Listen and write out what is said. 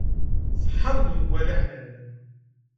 Ṣṣeḥa deg uḍeggal aḥlal.